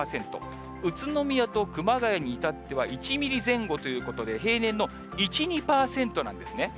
宇都宮と熊谷に至っては１ミリ前後ということで、平年の１、２％なんですね。